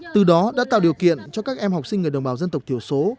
từ đó đã tạo điều kiện cho các em học sinh người đồng bào dân tộc thiểu số